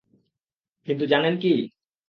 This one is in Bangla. কিন্তু জানেন কি?